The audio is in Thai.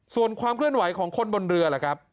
ส่วนความเคลื่อนไหวของคนบนเรือล่ะครับ